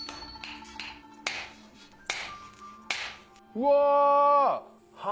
うわ！